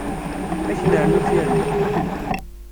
Ad k-nernu tirni.